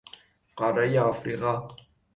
قارهی افریقا